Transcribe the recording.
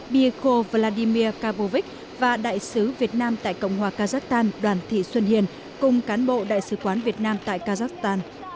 bigo vladimir kavovich và đại sứ việt nam tại cộng hòa kazakhstan đoàn thị xuân hiền cùng cán bộ đại sứ quán việt nam tại kazakhstan